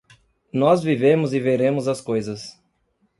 Nós vivemos e veremos as coisas.